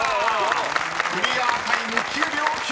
［クリアタイム９秒９。